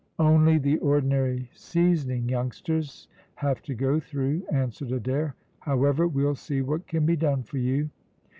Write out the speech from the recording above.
"Only the ordinary seasoning youngsters have to go through," answered Adair; "however, we'll see what can be done for you."